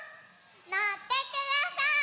のってください！